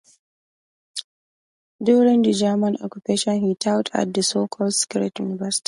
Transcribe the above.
During the German occupation he taught at the so-called "Secret Universities".